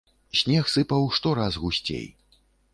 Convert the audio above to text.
Снег сыпаў штораз гусцей.